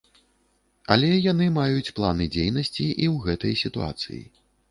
Але яны маюць планы дзейнасці і ў гэтай сітуацыі.